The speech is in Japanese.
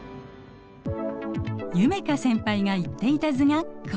夢叶先輩が言っていた図がこれ。